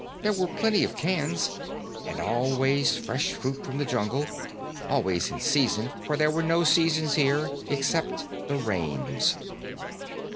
There were plenty of cans. And always fresh fruit from the jungle. Always in season, for there were no seasons here, except the rains.